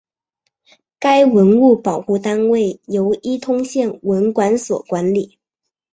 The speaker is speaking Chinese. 该文物保护单位由伊通县文管所管理。